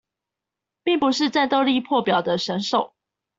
並不是戰鬥力破表的神獸